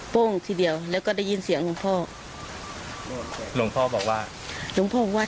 ทีเดียวแล้วก็ได้ยินเสียงหลวงพ่อหลวงพ่อบอกว่าหลวงพ่อบอกว่า